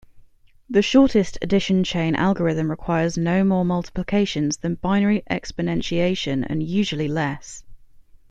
The shortest addition-chain algorithm requires no more multiplications than binary exponentiation and usually less.